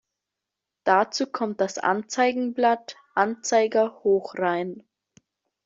Dazu kommt das Anzeigenblatt "Anzeiger Hochrhein".